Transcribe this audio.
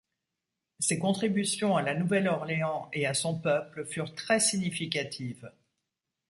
Ses contributions à La Nouvelle-Orléans et à son peuple furent très significatives.